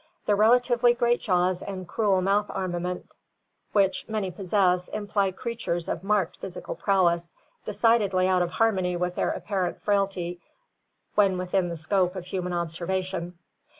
The relatively great jaws and cruel CAVE AND DEEP SEA LIFE 391 mouth armament which many possess imply creatures of marked physical prowess, decidedly out of harmony with their apparent frailty when within the scope of human observation.